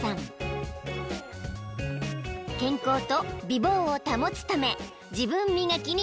［健康と美貌を保つため自分磨きに余念がない］